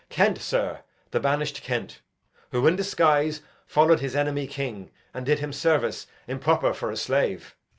Edg. Kent, sir, the banish'd Kent; who in disguise Followed his enemy king and did him service Improper for a slave.